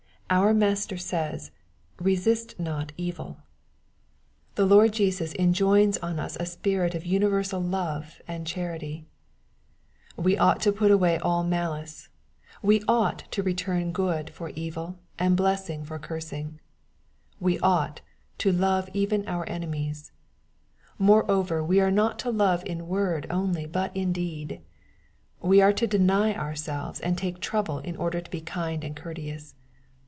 Oar Master says, " Resist not eviL" 44 EXP08IT0BT THOUGHTS. The Lord JestiB enjoins onus a spirit of wniversal lovt and charity' We ought to put away all malice. We ought to return good for evil, and blessing for cursing. We ought to "love even our enemies/' — Moreover we are not to love in word only, but in deed. We are to deny ourselves, and take trouble, in order to be kind and courteous.